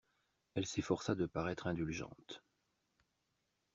Elle s'efforça de paraître indulgente.